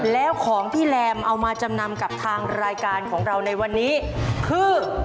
แล้วของที่แรมเอามาจำนำกับทางรายการของเราในวันนี้คือ